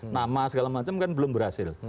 nama segala macam kan belum berhasil